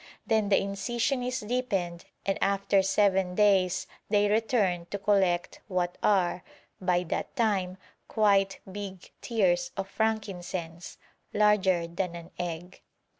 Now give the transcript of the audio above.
Then the incision is deepened, and after seven days they return to collect what are, by that time, quite big tears of frankincense, larger than an egg.